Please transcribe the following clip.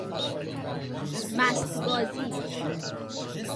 مستبازی